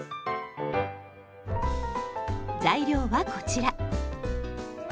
材料はこちら。